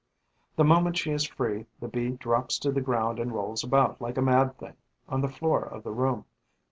The moment she is free, the Bee drops to the ground and rolls about, like a mad thing, on the floor of the room.